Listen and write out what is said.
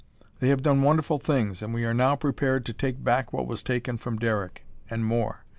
They have done wonderful things and we are now prepared to take back what was taken from Derek and more.